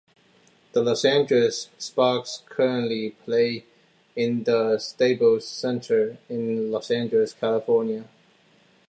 The Los Angeles Sparks currently play in the Staples Center in Los Angeles, California.